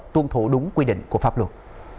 tuân thủ đúng quy định của pháp luật